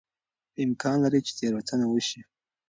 امکان لري چې تېروتنه وشي.